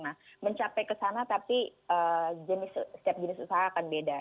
nah mencapai ke sana tapi setiap jenis usaha akan beda